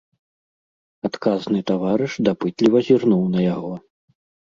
Адказны таварыш дапытліва зірнуў на яго.